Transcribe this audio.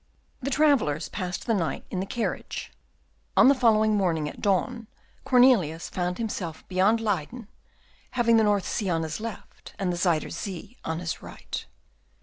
The travellers passed the night in the carriage. On the following morning at dawn Cornelius found himself beyond Leyden, having the North Sea on his left, and the Zuyder Zee on his right.